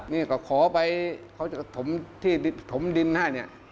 นี่เขาขอไปเขาจะถมดินให้นี่